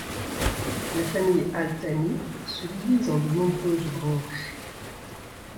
La famille Al Thani se divise en de nombreuses branches.